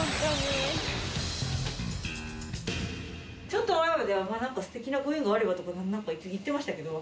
ちょっと前までは「素敵なご縁があれば」とか言ってましたけど。